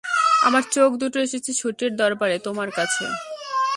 আমার চোখ দুটো এসেছে ছুটির দরবারে তোমার কাছে।